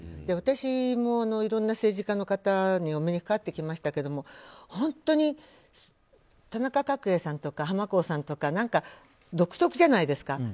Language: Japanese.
私もいろんな政治家の方にお目にかかってきましたけど本当に田中角栄さんとかハマコーさんとか何か独特じゃないですか。